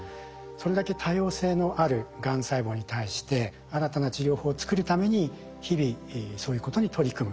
それだけ多様性のあるがん細胞に対して新たな治療法を作るために日々そういうことに取り組む。